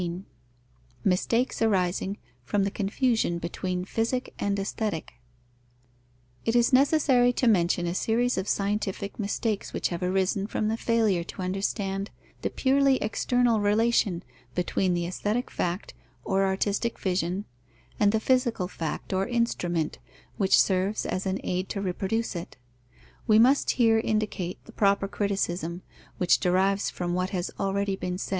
XIV MISTAKES ARISING FROM THE CONFUSION BETWEEN PHYSIC AND AESTHETIC It is necessary to mention a series of scientific mistakes which have arisen from the failure to understand the purely external relation between the aesthetic fact or artistic vision, and the physical fact or instrument, which serves as an aid to reproduce it. We must here indicate the proper criticism, which derives from what has already been said.